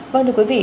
vâng thưa quý vị